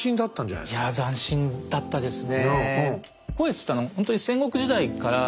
いや斬新だったですね。